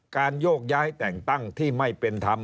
โยกย้ายแต่งตั้งที่ไม่เป็นธรรม